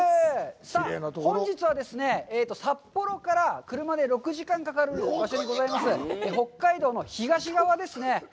さあ、本日はですね、札幌から車で６時間かかる場所にございます北海道の東側ですね。